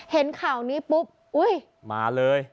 เห็นข่าวนี้ปุ๊บอุ๊ยมาเลย